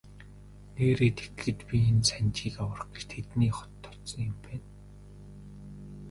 Нээрээ тэгэхэд би энэ Санжийг авчрах гэж тэдний хотод очсон юм байна.